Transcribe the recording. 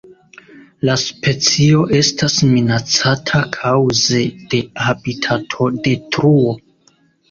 La specio estas minacata kaŭze de habitatodetruo.